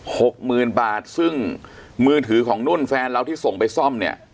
หกหมื่นบาทซึ่งมือถือของนุ่นแฟนเราที่ส่งไปซ่อมเนี่ย